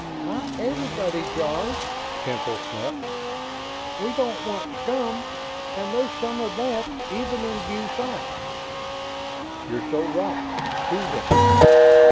"Not everybody, Jarve!" Temple snapped. "We don't want scum, and there's some of that, even in BuSci." "You're so right. Who, then?"